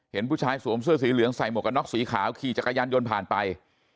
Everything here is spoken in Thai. เห็นผู้ชายสวมเสื้อสีเหลืองใส่หมวกกันน็อกสีขาวขี่จักรยานยนต์ผ่านไป